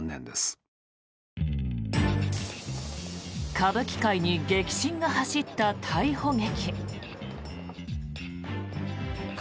歌舞伎界に激震が走った逮捕劇。